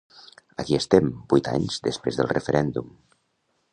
Aquí estem, vuit anys després del referèndum.